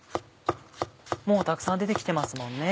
もうたくさん出て来てますもんね。